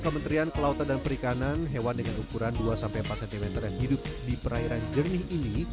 kementerian kelautan dan perikanan hewan dengan ukuran dua empat cm yang hidup di perairan jernih ini